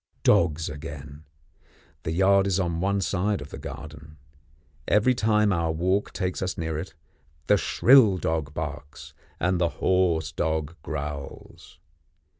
Dogs again. The yard is on one side of the garden. Every time our walk takes us near it, the shrill dog barks, and the hoarse dog growls.